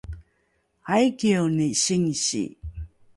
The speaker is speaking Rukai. aikieni singsi?